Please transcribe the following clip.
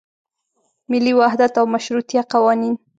ملي وحدت او مشروطیه قوانین.